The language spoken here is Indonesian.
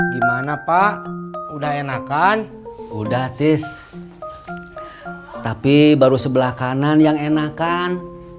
gimana pak udah enakan udah tis tapi baru sebelah kanan yang enakan